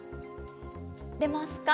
出ますか？